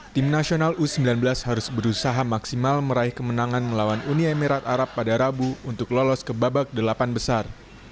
tim nasional u sembilan belas harus berusaha maksimal meraih kemenangan melawan uni emirat arab pada rabu untuk lolos ke babak delapan besar